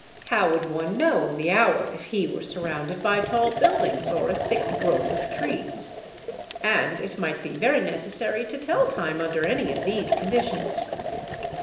How would one know the hour if he were surrounded by tall buildings or a thick growth of trees? And it might be very necessary to tell time under any of these conditions.